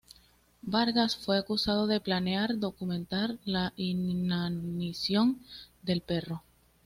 Vargas fue acusado de planear documentar la inanición del perro.